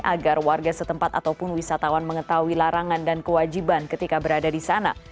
agar warga setempat ataupun wisatawan mengetahui larangan dan kewajiban ketika berada di sana